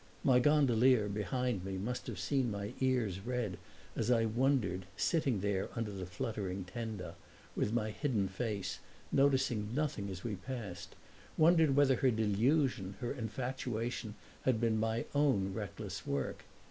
My gondolier, behind me, must have seen my ears red as I wondered, sitting there under the fluttering tenda, with my hidden face, noticing nothing as we passed wondered whether her delusion, her infatuation had been my own reckless work.